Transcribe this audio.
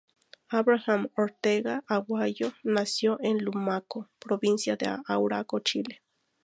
Abraham Ortega Aguayo nació en Lumaco, Provincia de Arauco, Chile.